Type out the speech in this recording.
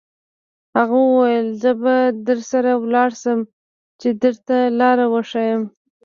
هغه وویل: زه به درسره ولاړ شم، چې درته لار وښیم.